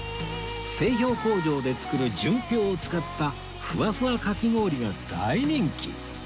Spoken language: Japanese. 製氷工場で作る純氷を使ったフワフワかき氷が大人気！